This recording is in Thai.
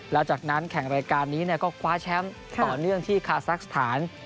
แล้วจากนั้นแข่งรายการนี้ก็คว้าแชมป์ต่อเนื่องที่คาซักสถาน